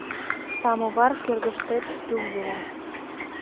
Сымавар кӧргыштет тул йӱла.